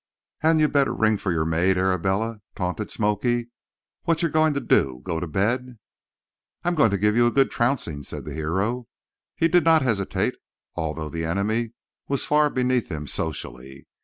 "Hadn't yer better ring fer yer maid, Arabella?" taunted "Smoky." "Wot yer going to do—go to bed?" "I'm going to give you a good trouncing," said the hero. He did not hesitate, although the enemy was far beneath him socially.